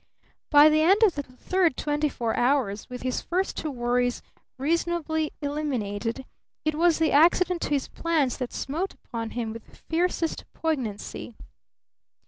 But by the end of the third twenty four hours, with his first two worries reasonably eliminated, it was the accident to his plans that smote upon him with the fiercest poignancy.